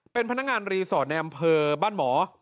เป็นพนักงานรีสอร์ทในอำเภอบ้านหมอ